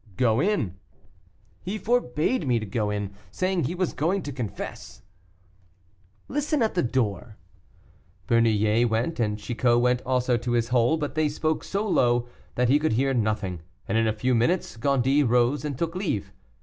"Go in." "He forbade me to go in, saying he was going to confess." "Listen at the door." Bernouillet went, and Chicot went also to his hole: but they spoke so low that he could hear nothing, and in a few minutes Gondy rose and took leave.